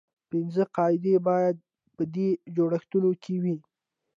پنځه قاعدې باید په دې جوړښتونو کې وي.